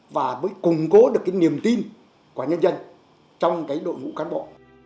và mới củng cố được cái niềm tin của nhân dân trong cái đội ngũ cán bộ